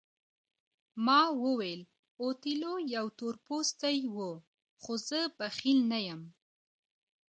ما وویل اوتیلو یو تور پوستی وو خو زه بخیل نه یم.